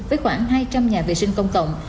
với khoảng hai trăm linh nhà vệ sinh công cộng